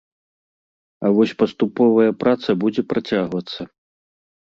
А вось паступовая праца будзе працягвацца.